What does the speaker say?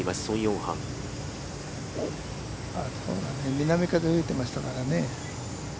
南風が吹いていましたからね。